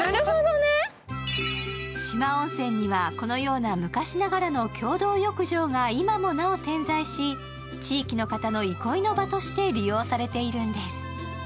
四万温泉にはこのような昔ながらの共同浴場が今もなお点在し、地域の方の憩いの場として利用されているんです。